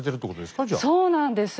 そうなんです。